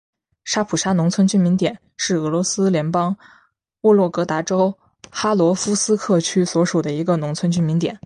沙普沙农村居民点是俄罗斯联邦沃洛格达州哈罗夫斯克区所属的一个农村居民点。